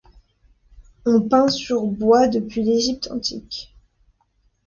On peint sur bois depuis l'Égypte Antique.